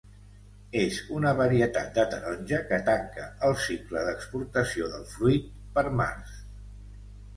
És una varietat de taronja que tanca el cicle d'exportació del fruit, per març.